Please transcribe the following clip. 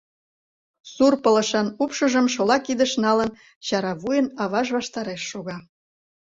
Сур пылышан упшыжым шола кидыш налын, чаравуйын аваж ваштареш шога.